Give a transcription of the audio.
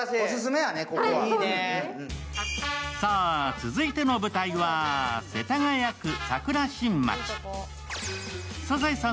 続いての舞台は世田谷区桜新町。